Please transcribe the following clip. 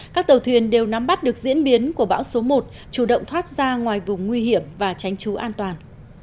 các tàu thuyền đều nắm bắt được diễn biến của bão số một chủ động thoát ra ngoài vùng nguy hiểm và tránh trú an toàn